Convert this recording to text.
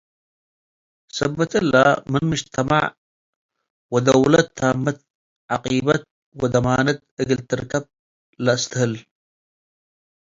ሰበት እለ ምን ሙጅተመዕ ወደውለት ታመት ዓቅቢት ወደማነት እግል ትርከብ ለአስትህል።